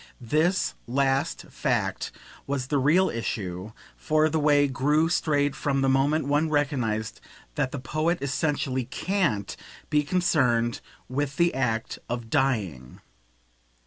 This last fact was the real issue, for the way grew straight from the moment one recognised that the poet essentially CAN'T be concerned with the act of dying.